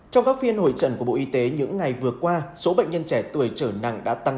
trong các phiên hội trận của bộ y tế những ngày vừa qua số bệnh nhân trẻ tuổi trở nặng đã tăng